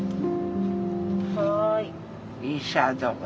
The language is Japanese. はい。